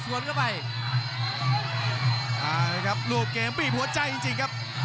โอ้นี่ครับ